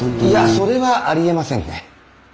いやそれはありえませんね。